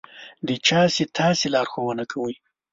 د چا چې تاسې لارښوونه کوئ.